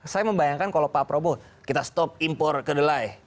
saya membayangkan kalau pak prabowo kita stop impor kedelai